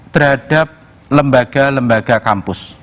terhadap lembaga lembaga kampus